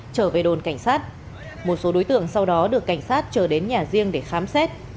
trở về đồn cảnh sát một số đối tượng sau đó được cảnh sát chờ đến nhà riêng để khám xét